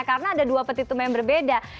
karena ada dua petitum yang berbeda